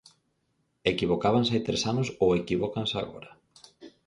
¿Equivocábanse hai tres anos ou equivócanse agora?